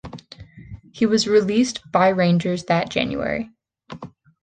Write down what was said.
He was released by Rangers that January.